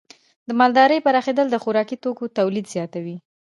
د مالدارۍ پراخېدل د خوراکي توکو تولید زیاتوي.